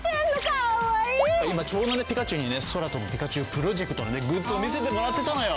今ちょうどねピカチュウにねそらとぶピカチュウプロジェクトのグッズを見せてもらってたのよ。